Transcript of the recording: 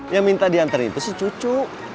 yang minta diantarin itu si cucu